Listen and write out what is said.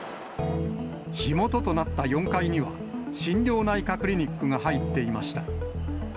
火元となった４階には、心療内科クリニックが入っていました。